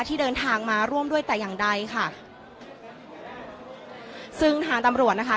ที่เดินทางมาร่วมด้วยแต่อย่างใดค่ะซึ่งทางตำรวจนะคะ